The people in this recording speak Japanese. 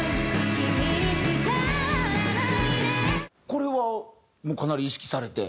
これはかなり意識されて？